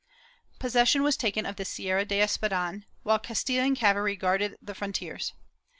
Possession was taken of the Sierra de Espadan, while Castilian cavalry guarded the fron tiers.